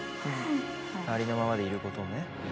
ありのままでいることをね。